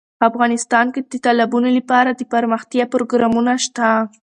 افغانستان کې د تالابونو لپاره دپرمختیا پروګرامونه شته.